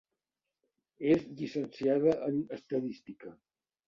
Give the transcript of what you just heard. És llicenciada en Estadística.